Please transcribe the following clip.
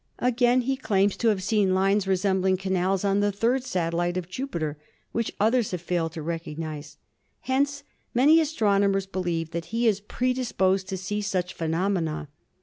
Again he claims MARS 193 to have seen lines resembling canals on the third satellite of Jupiter, which others have failed to recognise. Hence many astronomers believe that he is predisposed to see such phenomena.